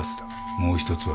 もう一つは？